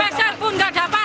sepeserpun gak dapat